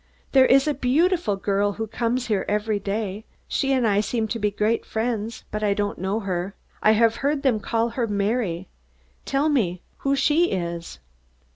There is a beautiful girl who comes here every day. She and I seem to be great friends, but I don't know her, I have heard them call her Mary; tell me who she is!"